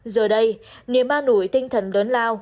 giờ đây niềm ma nủi tinh thần lớn lao